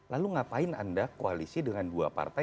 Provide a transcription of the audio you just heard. lalu ngapain anda koalisi dengan dua partai